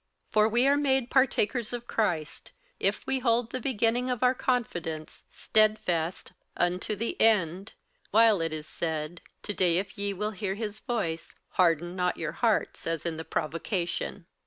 58:003:014 For we are made partakers of Christ, if we hold the beginning of our confidence stedfast unto the end; 58:003:015 While it is said, To day if ye will hear his voice, harden not your hearts, as in the provocation.